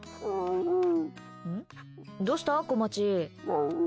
どうした、こまち？